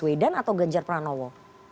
wedan atau genjar pranowo